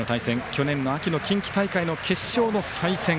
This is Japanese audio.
去年の秋の近畿大会の決勝の再戦。